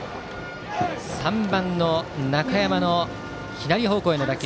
３番の中山の左方向への打球。